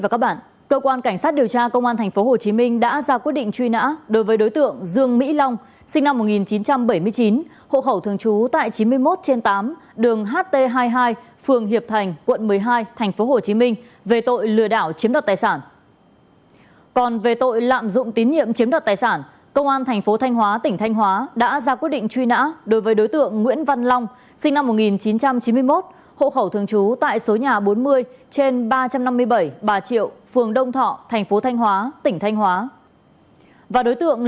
cảm ơn các bạn đã theo dõi